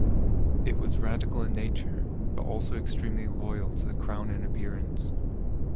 It was radical in nature, but also extremely loyal to the crown in appearance.